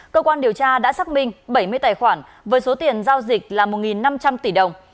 cơ quan điều tra đã xác minh bảy mươi tài khoản với số tiền giao dịch là một năm trăm linh tỷ đồng